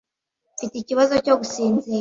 Mfite ikibazo cyo gusinzira